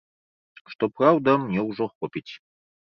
Што праўда, мне ўжо хопіць.